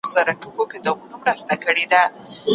صالح انسانان خپل ذهنونه په ښو فکرونو باندي ډکوي.